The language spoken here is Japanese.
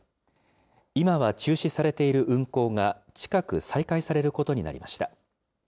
今は中止されている運航が近く、再開されることになりました。